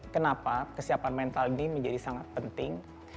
kenapa kesiapan mental ini menjadi sangat penting